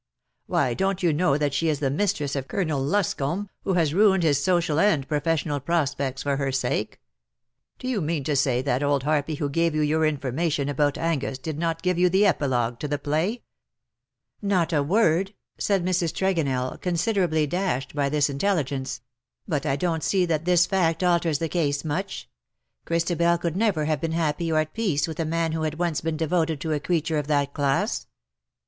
Why don't you know that she is the mistress of Colonel Luscomb, who has ruined his social and professional prospects for her sake. Do you mean to say that old harpy who gave you your information about Angus did norgive you the epilogue to the play ?"" Not a word/' said Mrs. Tregonell, considerably dashed by this intelligence. ^' Eut I don't sec that 24 ^^ALAS FOR ME THEN, MY GOOD DAYS ARE DONE." this fact alters the case — much. Christabel could never have been happy or at peace with a man who had once been devoted to a creature of that class.